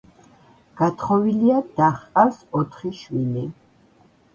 გათხოვილია და ჰყავს ოთხი შვილი.